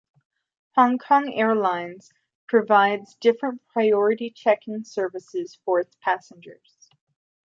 Hong Kong Airlines provides different priority check-in services for its passengers.